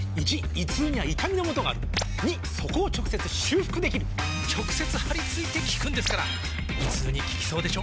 ①胃痛には痛みのもとがある②そこを直接修復できる直接貼り付いて効くんですから胃痛に効きそうでしょ？